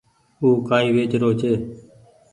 او ڪآئي ويچ رو ڇي۔